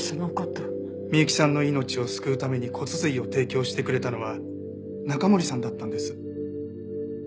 美幸さんの命を救うために骨髄を提供してくれたのは中森さんだったんです。